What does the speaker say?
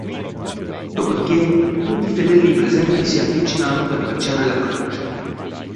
Dopodiché tutti i fedeli presenti si avvicinano per baciare la croce.